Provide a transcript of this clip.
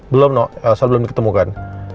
belum noh elsa belum ditemukan